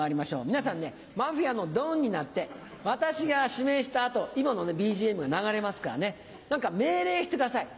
皆さんねマフィアのドンになって私が指名した後今のＢＧＭが流れますからね何か命令してください。